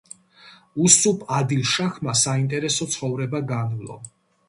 უსუფ ადილ შაჰმა საინტერესო ცხოვრება განვლო.